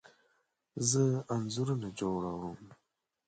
زه انځورونه جوړه وم